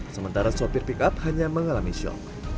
sementara sopir pickup hanya mengalami syok